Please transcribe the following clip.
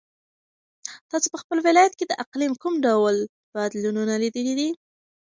تاسو په خپل ولایت کې د اقلیم کوم ډول بدلونونه لیدلي دي؟